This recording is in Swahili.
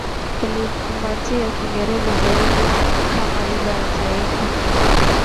ilikumbatia kiingereza zaidi kama lugha ya Taifa